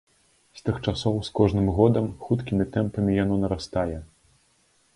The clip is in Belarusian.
З тых часоў з кожным годам хуткімі тэмпамі яно нарастае.